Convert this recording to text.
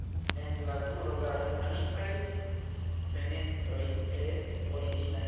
En la turo la romanikaj fenestroj restis originaj.